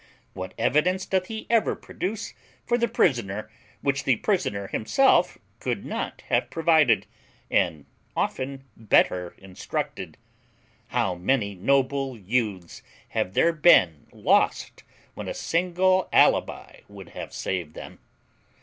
What evidence doth he ever produce for the prisoner which the prisoner himself could not have provided, and often better instructed? How many noble youths have there been lost when a single alibi would have saved them!